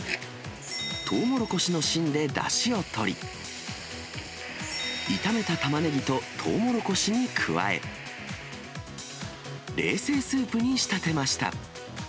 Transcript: トウモロコシの芯でだしをとり、炒めたタマネギとトウモロコシに加え、冷製スープに仕立てました。